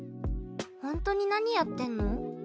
ホントに何やってんの？